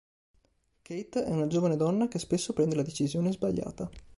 Kate è una giovane donna che spesso prende la decisione sbagliata.